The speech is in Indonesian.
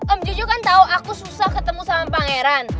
om jojo kan tau aku susah ketemu sama pangeran